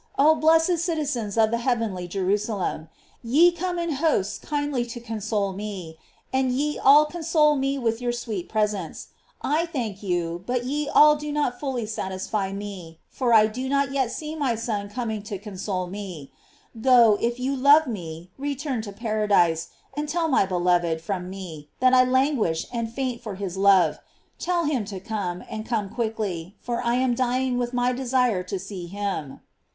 oh bless ed citizens of the heavenly Jerusalem! ye come in hosts kindly to console me, and ye all console me with your sweet presence; I thank you, but ye all do not fully satisfy me, for I do not yet gee my Son coming to console me Go, if you love me, return to paradise, and tell my be loved, from me, that I languish and faint for his love. Tell him to come, and come quickly, for I am dying with my desire to see him.